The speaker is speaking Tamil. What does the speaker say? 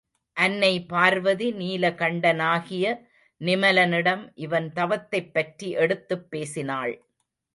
அன்னை பார்வதி நீலகண்டனாகிய நிமலனிடம் இவன் தவத்தைப்பற்றி எடுத்துப் பேசினாள்.